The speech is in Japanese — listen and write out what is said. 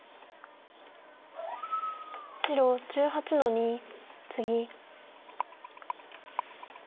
白１８の二ツギ。